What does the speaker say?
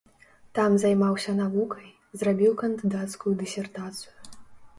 Там займаўся навукай, зрабіў кандыдацкую дысертацыю.